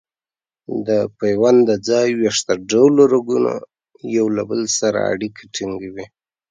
د پیوند د ځای ویښته ډوله رګونه یو له بل سره اړیکه ټینګوي.